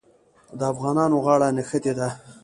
د افغانانو غاړه نښتې ده.